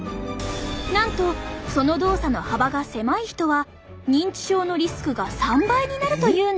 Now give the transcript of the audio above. なんとその動作の幅が狭い人は認知症のリスクが３倍になるというんです。